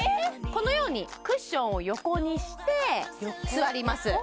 このようにクッションを横にして座ります